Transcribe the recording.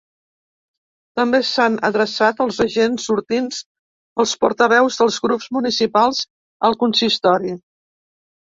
També s’han adreçat als agents sortints els portaveus dels grups municipals al consistori.